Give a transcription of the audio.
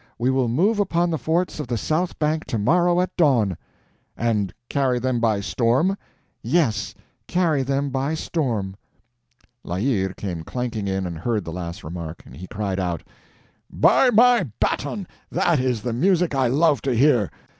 We will move upon the forts of the south bank to morrow at dawn." "And carry them by storm?" "Yes, carry them by storm!" La Hire came clanking in, and heard the last remark. He cried out: "By my baton, that is the music I love to hear!